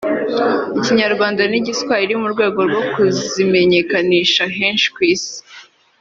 Ikinyarwanda n’Igiswahili mu rwego rwo kuzimenyekanisha henshi ku isi